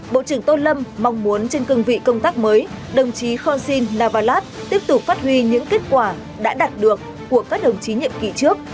bộ trưởng tô lâm mong muốn trên cương vị công tác mới đồng chí khonsin navalat tiếp tục phát huy những kết quả đã đạt được của các đồng chí nhiệm kỳ trước